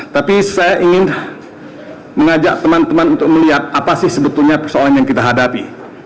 tapi saya ingin mengajak teman teman untuk melihat apa sih sebetulnya persoalan yang kita hadapi